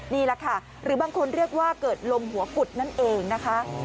นี่แหละค่ะหรือบางคนเรียกว่าเกิดลมหัวกุดนั่นเองนะคะ